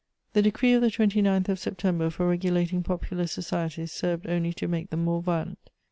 The decree of the 29th of September for regulating popular societies served only to make them more violent.